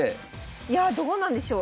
いやあどうなんでしょう？